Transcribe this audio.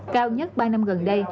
cao nhất ba năm gần đây